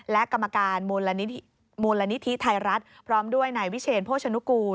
และกรรมการมูลนิธิไทยรัฐพร้อมด้วยนายวิเชนโภชนุกูล